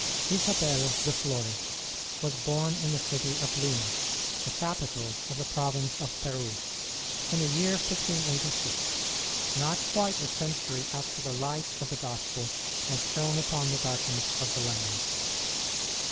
Isabel de Flores was born in the city of Lima, the capital of the province of Peru, in the year 1586, not quite a century after the light of the Gospel had shone upon the darkness of the land.